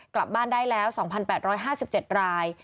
กลับบ้านได้แล้ว๒๘๕๗ราย